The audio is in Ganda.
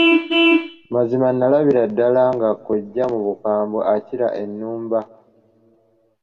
Mazima nalabira ddala nga kkojja mu bukambwe akira ennumba.